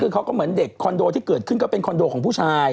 คือเขาก็เหมือนเด็กคอนโดที่เกิดขึ้นก็เป็นคอนโดของผู้ชาย